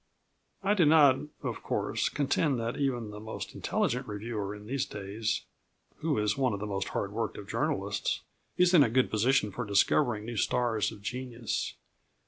I do not, of course, contend that even the most intelligent reviewer in these days, (who is one of the most hard worked of journalists), is in a good position for discovering new stars of genius.